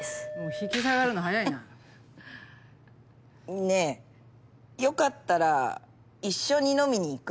引き下がるの早いな。ねぇよかったら一緒に飲みに行く？